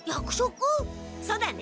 そうだね。